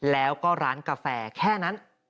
แล้วก็ร้านกาแฟแค่นั้น